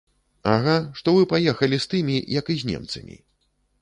Ага, што вы паехалі з тымі, як і з немцамі.